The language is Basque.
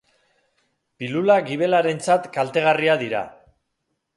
Pilulak gibelarentzat kaltegarriak dira.